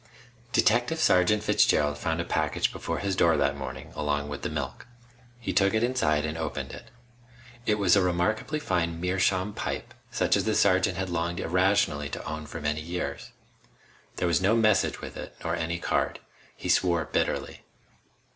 _ Detective Sergeant Fitzgerald found a package before his door that morning, along with the milk. He took it inside and opened it. It was a remarkably fine meerschaum pipe, such as the sergeant had longed irrationally to own for many years. There was no message with it, nor any card. He swore bitterly.